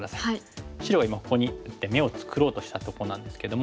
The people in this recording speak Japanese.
白は今ここに打って眼を作ろうとしたとこなんですけども。